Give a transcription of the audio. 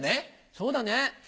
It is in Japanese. そうだね。